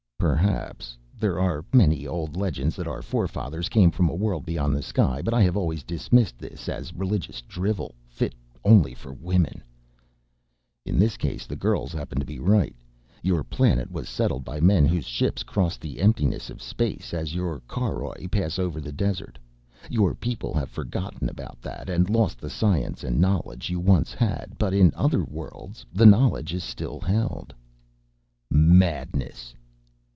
"Perhaps. There are many old legends that our forefathers came from a world beyond the sky, but I have always dismissed this as religious drivel, fit only for women." "In this case the girls happen to be right. Your planet was settled by men whose ships crossed the emptiness of space as your caroj pass over the desert. Your people have forgotten about that and lost the science and knowledge you once had, but in other worlds the knowledge is still held." "Madness!"